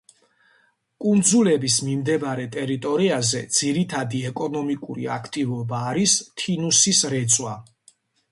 კუნძულების მიმდებარე ტერიტორიაზე ძირითადი ეკონომიკური აქტივობა არის თინუსის რეწვა.